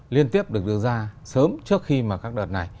liên tiếp được đưa ra sớm trước khi mà các đợt này